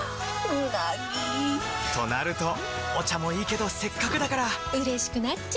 うなぎ！となるとお茶もいいけどせっかくだからうれしくなっちゃいますか！